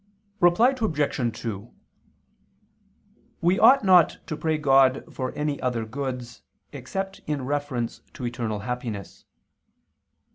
Reply Obj. 2: We ought not to pray God for any other goods, except in reference to eternal happiness.